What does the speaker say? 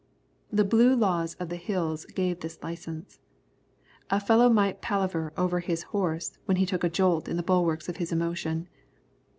The blue laws of the Hills gave this licence. A fellow might palaver over his horse when he took a jolt in the bulwarks of his emotion.